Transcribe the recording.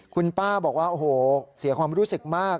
คุณป้าบอกว่าโอ้โหเสียความรู้สึกมาก